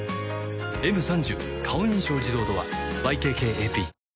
「Ｍ３０ 顔認証自動ドア」ＹＫＫＡＰ